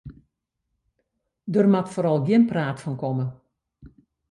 Der moat foaral gjin praat fan komme.